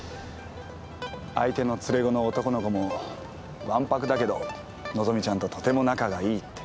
相手の連れ子の男の子もわんぱくだけど和希ちゃんととても仲がいいって。